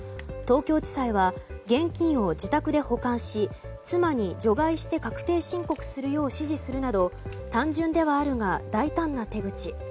東京地裁は現金を自宅で保管し妻に、除外して確定申告するよう指示するなど単純ではあるが大胆な手口。